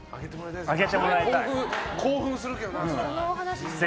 興奮するけどな。